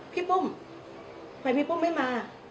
ปุ้มทำไมพี่ปุ้มไม่มา